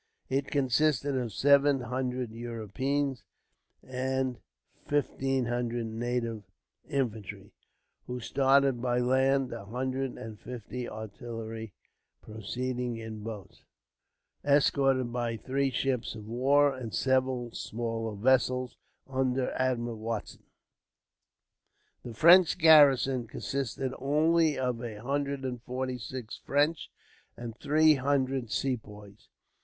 It consisted of seven hundred Europeans and fifteen hundred native infantry, who started by land; a hundred and fifty artillery proceeding in boats, escorted by three ships of war and several smaller vessels, under Admiral Watson. The French garrison consisted only of a hundred and forty six French, and three hundred Sepoys.